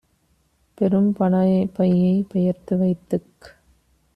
பெரும்பணப் பையைப் பெயர்த்து வைத்துக்